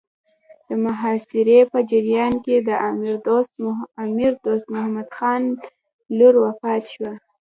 د محاصرې په جریان کې د امیر دوست محمد خان لور وفات شوه.